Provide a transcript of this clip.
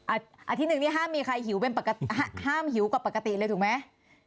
อาทิตย์หนึ่งนี้ห้ามมีใครหิวกว่าปกติเลยถูกไหม